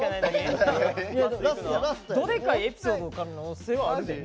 どでかいエピソードの可能性はあるで。